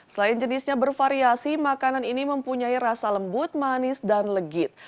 selain jenisnya bervariasi makanan ini mempunyai rasa lembut manis dan legit